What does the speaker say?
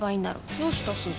どうしたすず？